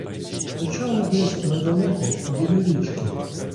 Кричало десь недалеко біля річки.